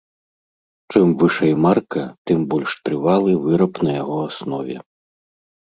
Чым вышэй марка, тым больш трывалы выраб на яго аснове.